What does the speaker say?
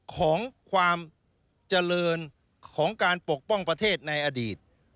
ของความเจริญของการปกป้องประเทศในอดีต